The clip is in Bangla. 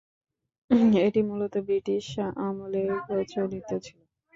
এটি মূলত ব্রিটিশ আমলে প্রচলিত ছিল।